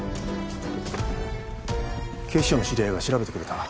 警視庁の知り合いが調べてくれた。